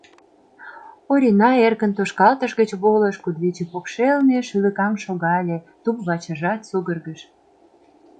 Орина эркын тошкалтыш гыч волыш, кудывече покшелне шӱлыкаҥ шогале, туп-вачыжат сугыргыш.